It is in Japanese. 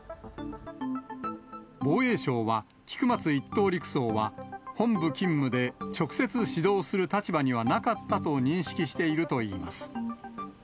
防衛省は、菊松１等陸曹は本部勤務で、直接指導する立場にはなかったと認識しているといいます。